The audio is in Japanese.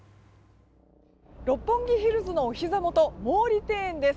六本木ヒルズのおひざ元毛利庭園です。